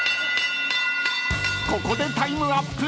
［ここでタイムアップ］